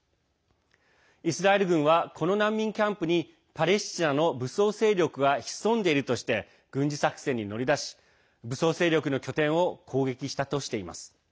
イスラエル軍はこの難民キャンプにパレスチナの武装勢力が潜んでいるとして軍事作戦に乗り出し武装勢力の拠点を攻撃したとしています。